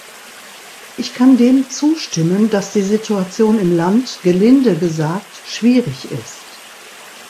Ich kann dem zustimmen, dass die Situation im Land gelinde gesagt schwierig ist.